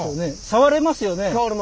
触れますね。